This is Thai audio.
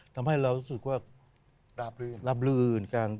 ทำให้เรารู้สึกว่ารับลื่นกัน